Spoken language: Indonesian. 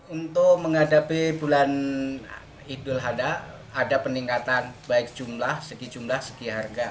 untuk menghadapi bulan idul hadha ada peningkatan baik jumlah segi jumlah segi harga